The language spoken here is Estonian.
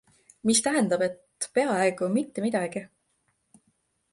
Mis tähendab, et peaaegu mitte midagi.